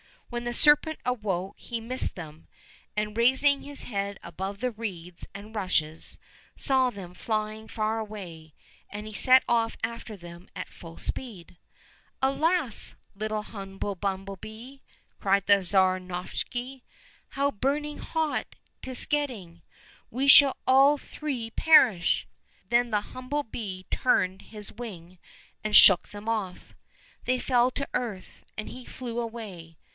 When the serpent awoke he missed them, and raising his head above the reeds and rushes, saw them flying far away, and set off after them at full speed. " Alas ! little humble bumble bee," cried little Tsar Novishny, " how burning hot 'tis getting. We shall all three 62 LITTLE TSAR NOVISHNY perish !" Then the humble bee turned his wing and shook them off. They fell to the earth, and he flew away.